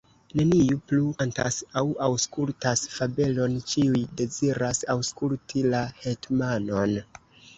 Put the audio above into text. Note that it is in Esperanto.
Neniu plu kantas aŭ aŭskultas fabelon, ĉiuj deziras aŭskulti la hetmanon.